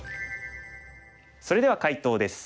それでは解答です。